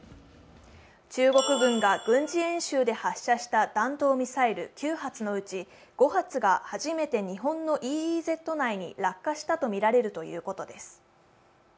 中国軍が軍事演習で発射した弾道ミサイル９発のうち５発が初めて日本のＥＥＺ内に落下したとみられるということです。